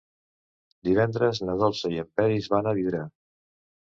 Divendres na Dolça i en Peris van a Vidrà.